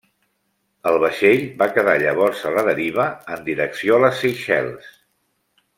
El vaixell va quedar llavors a la deriva en direcció a les Seychelles.